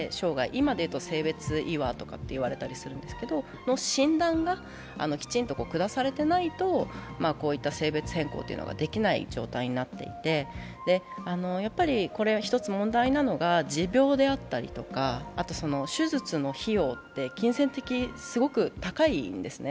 今で言うと性別違和とかいわれたりするんですけど、その診断がきちんと下されてないと、こういった性別変更ができない状態になっていて、一つ問題なのが、持病であったりとか手術の費用って金銭的にすごく高いんですね。